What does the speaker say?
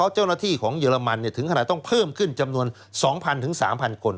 เจ้าหน้าที่ของเยอรมันถึงขนาดต้องเพิ่มขึ้นจำนวน๒๐๐๓๐๐คน